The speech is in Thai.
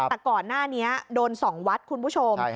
แต่ก่อนหน้านี้โดน๒วัดคุณผู้ชม